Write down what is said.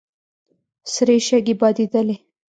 سرې شګې بادېدلې.